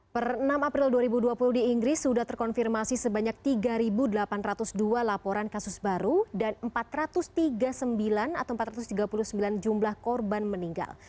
per enam april dua ribu dua puluh di inggris sudah terkonfirmasi sebanyak tiga delapan ratus dua laporan kasus baru dan empat ratus tiga puluh sembilan jumlah korban meninggal